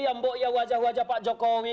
yang boya wajah wajah pak jokowi